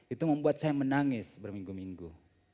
itu membuat saya menangis berminggu minggu